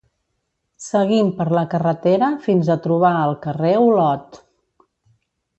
seguim per la carretera fins a trobar el carrer Olot